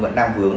vẫn đang hướng